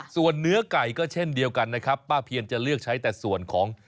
ส่วนเนื้อไก่ก็เช่นเดียวกันนะครับป้าเพียนจะเลือกใช้แต่ส่วนของ